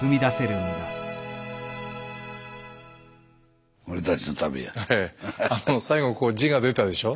あの最後字が出たでしょ？